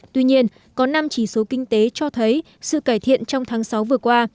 tuy nhiên có năm chỉ số kinh tế cho thấy sự cải thiện trong tháng sáu vừa qua